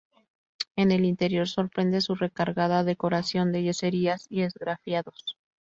En el interior sorprende su recargada decoración de yeserías y esgrafiados.